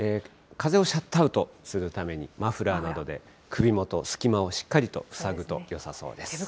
風をシャットアウトするために、マフラーなどで首元、隙間をしっかりと塞ぐとよさそうです。